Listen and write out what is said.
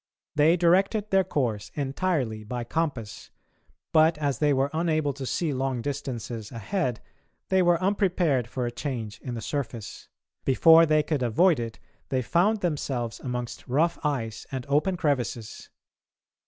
They directed their course entirely by compass, but as they were unable to see long distances ahead, they were unprepared for a change in the surface. Before they could avoid it, they found themselves amongst rough ice and open crevices.